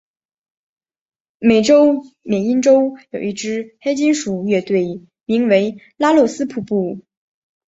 美国缅因洲有一支黑金属乐队名为拉洛斯瀑布。